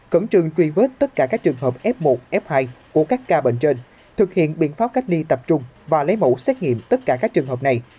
khẩn trương truy vết tất cả các trường hợp f một f hai của các ca bệnh trên thực hiện biện pháp cách ly tập trung và lấy mẫu xét nghiệm tất cả các trường hợp này